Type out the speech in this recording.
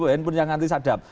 handphone yang antisadap